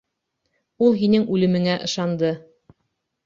Ул һинең үлемеңә ышанды.